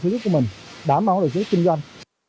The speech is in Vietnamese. thứ nhất của mình đảm bảo được thứ nhất kinh doanh